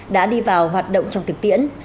đã đi vào hoạt động trong thực tiễn